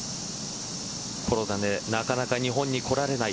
コロナでなかなか日本に来られない